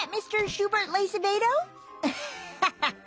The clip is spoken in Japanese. ハハハハハ！